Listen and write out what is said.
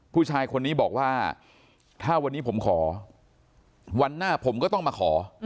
ผู้ชายคนนี้บอกว่าถ้าวันนี้ผมขอวันหน้าผมก็ต้องมาขอ